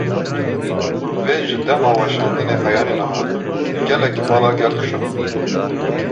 Vê ji dema weşandinê heya niha gelekî bala gel kîşand.